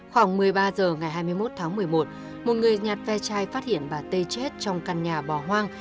khoảng một mươi ba h ngày hai mươi một tháng một mươi một một người nhặt ve chai phát hiện bà tê chết trong căn nhà bò hoang